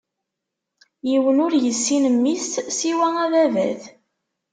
Yiwen ur issin Mmi-s, siwa Ababat.